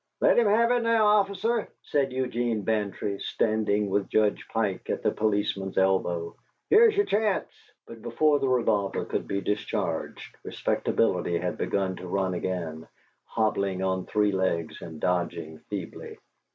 "Let him have it now, officer," said Eugene Bantry, standing with Judge Pike at the policeman's elbow. "There's your chance." But before the revolver could be discharged, Respectability had begun to run again, hobbling on three legs and dodging feebly.